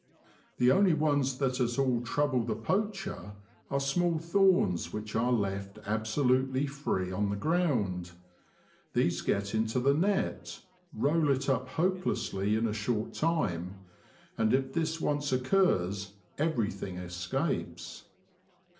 The only ones that at all trouble the poacher are small thorns which are left absolutely free on the ground. These get into the net, roll it up hopelessly in a short time, and if this once occurs everything escapes.